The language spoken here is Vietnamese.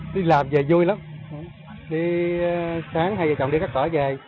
đi làm về vui lắm sáng hai giờ chọn đi cắt cỏ về